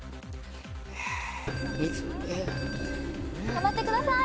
頑張ってください！